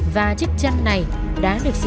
và chức chăn này đáng được tham gia